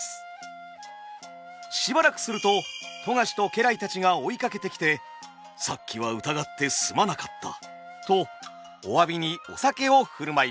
しばらくすると富樫と家来たちが追いかけてきて「さっきは疑ってすまなかった」とお詫びにお酒を振る舞います。